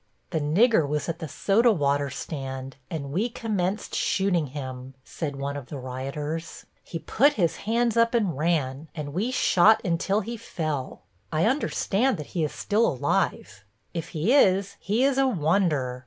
"The Nigger was at the soda water stand and we commenced shooting him," said one of the rioters. "He put his hands up and ran, and we shot until he fell. I understand that he is still alive. If he is, he is a wonder.